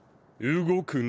動くな。